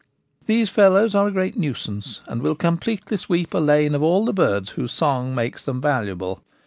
These fellows are a great nui sance, and will completely sweep a lane of all the birds whose song makes them valuable.